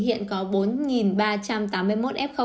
hiện có bốn ba trăm tám mươi một f